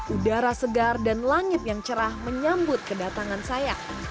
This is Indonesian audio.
udara segar dan langit yang cerah menyambut kedatangan saya